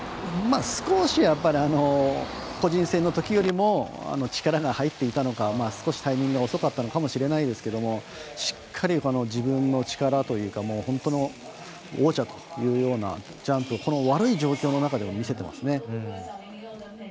少し、やっぱり個人戦のときよりは力が入っていたのか少しタイミング遅かったかもしれないですがしっかり、自分の力というか本当の王者というようなジャンプをこの悪い状況の中でも見せていますね。